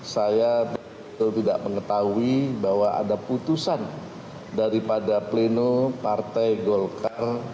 saya betul tidak mengetahui bahwa ada putusan daripada pleno partai golkar